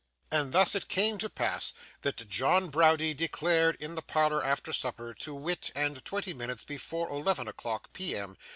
And thus it came to pass, that John Browdie declared, in the parlour after supper, to wit, and twenty minutes before eleven o'clock p.m.